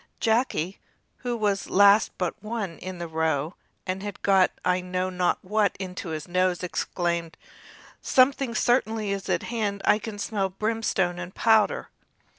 Jacky, who was last but one in the row, and had got I know not what into his nose, exclaimed: "Something certainly is at hand, for I can smell brimstone and powder!"